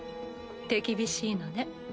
手厳しいのね。